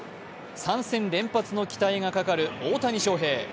３戦連発の期待がかかる大谷翔平。